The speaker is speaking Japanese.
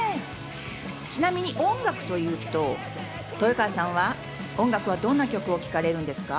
ちなみに音楽というと、豊川さんは音楽はどんな曲を聴かれるんですか？